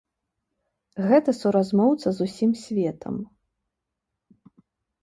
Гэта суразмоўца з усім светам.